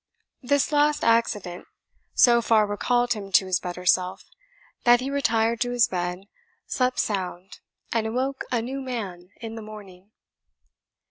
This last accident so far recalled him to his better self, that he retired to his bed, slept sound, and awoke a new man in the morning.